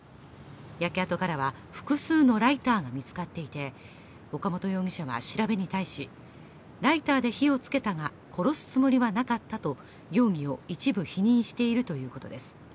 焼け跡からは複数のライターが見つかっていて岡本容疑者は調べに対しライターで火をつけたが殺すつもりはなかったと容疑を一部否認しているということです。